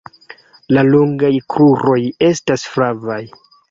La longaj kruroj estas flavaj.